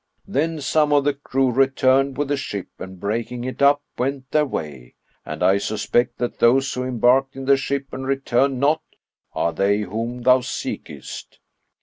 Then some of the crew returned with the ship and breaking it up, went their way; and I suspect that those who embarked in the ship and returned not, are they whom thou seekest.